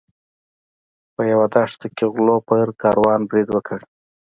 په یوه دښته کې غلو په کاروان برید وکړ.